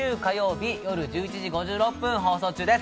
日夜１１時５６分から放送中です。